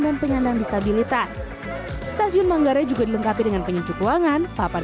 dan penyandang disabilitas stasiun manggarai juga dilengkapi dengan penunjuk ruangan papan